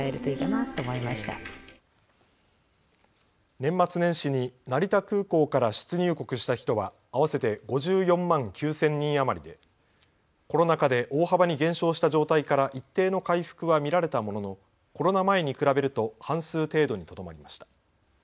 年末年始に成田空港から出入国した人は合わせて５４万９０００人余りでコロナ禍で大幅に減少した状態から一定の回復は見られたもののコロナ前に比べると半数程度にとどまりました。